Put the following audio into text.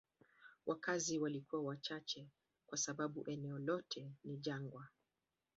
Wakazi walikuwa wachache kwa sababu eneo lote ni jangwa.